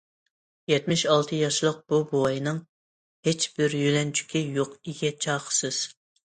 يەتمىش ئالتە ياشلىق بۇ بوۋاينىڭ ھېچبىر يۆلەنچۈكى يوق، ئىگە چاقسىز.